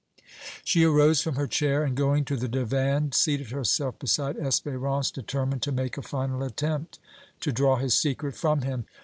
She arose from her chair and, going to the divan, seated herself beside Espérance, determined to make a final attempt to draw his secret from him.